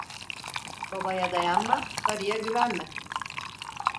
Babaya dayanma, karıya güvenme.